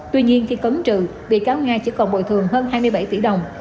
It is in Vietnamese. tuy nhiên khi cấn trự bị cáo nga chỉ còn bồi thường hơn hai mươi bảy tỷ đồng